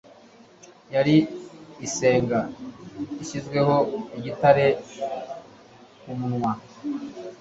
Yari isenga ishyizweho igitare ku munwa.